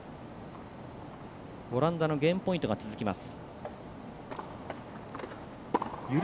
オランダのゲームポイントが続きます。